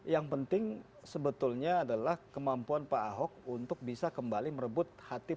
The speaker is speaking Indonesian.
yang penting sebetulnya adalah kemampuan pak ahok untuk bisa kembali merebut hati